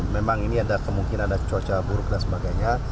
memang ini ada kemungkinan ada cuaca buruk dan sebagainya